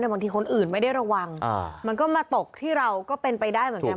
บางทีคนอื่นไม่ได้ระวังมันก็มาตกที่เราก็เป็นไปได้เหมือนกัน